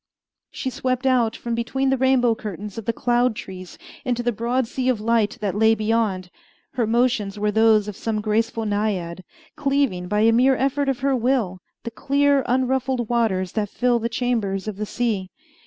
She swept out from between the rainbow curtains of the cloud trees into the broad sea of light that lay beyond. Her motions were those of some graceful naiad, cleaving, by a mere effort of her will, the clear, unruffled waters that fill the chambers of the sea.